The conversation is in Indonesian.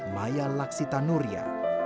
maya laksita nuria